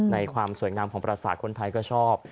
ในความสวยงามของประสาทคนไทยก็ชอบ